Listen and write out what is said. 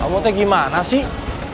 kamu teh gimana sih